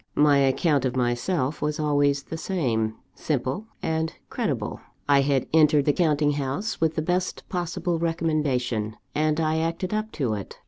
My account of myself was always the same simple and credible; I had entered the counting house with the best possible recommendation, and I acted up to it.